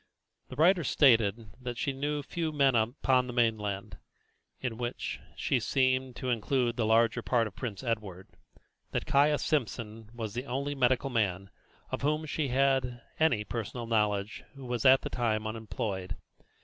The writer stated that she knew few men upon the mainland in which she seemed to include the larger island of Prince Edward that Caius Simpson was the only medical man of whom she had any personal knowledge who was at that time unemployed.